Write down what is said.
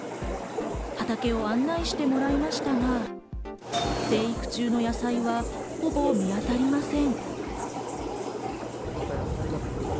畑を案内してもらいましたが、生育中の野菜は、ほぼ見当たりません。